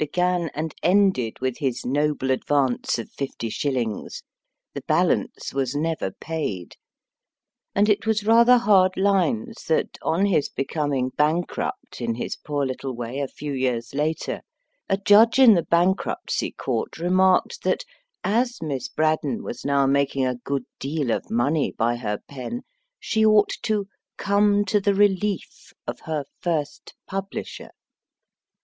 BRADDON began and ended with his noble advance of fifty shillings. The balance was never paid ; and it was rather hard lines that, on his becoming bankrupt in his poor little way a few years later, a judge in the Bankruptcy Court remarked that, as Miss Braddon was now making a good deal of money by her pen, she ought to come to the relief of her first publisher.